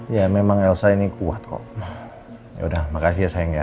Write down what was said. ya memang elsa ini kuat kok ya udah makasih ya sayang ya